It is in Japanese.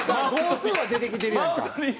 ＴＯは出てきてるやんか。